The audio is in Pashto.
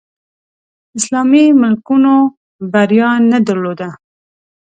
اسلامي ملکونو بریا نه درلوده